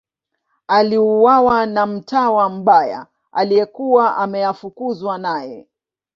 Aliuawa na mtawa mbaya aliyekuwa ameafukuzwa naye.